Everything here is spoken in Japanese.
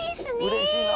うれしいな！